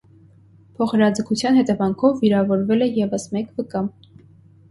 Փոխհրաձգության հետևանքով վիրավորվել է ևս մեկ վկա։